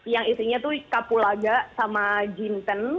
yang isinya tuh kapulaga sama jinten